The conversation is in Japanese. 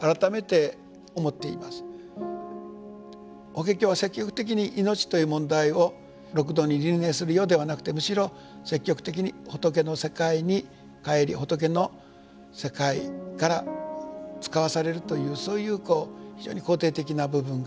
法華経は積極的に命という問題を六道に輪廻するよではなくてむしろ積極的に仏の世界に帰り仏の世界から遣わされるというそういう非常に肯定的な部分があります。